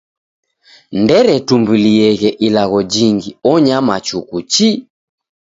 Nderetumbulieghe ilagho jingi onyama chuku chi.